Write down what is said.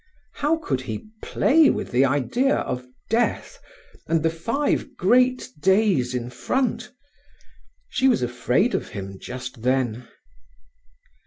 How could he play with the idea of death, and the five great days in front? She was afraid of him just then.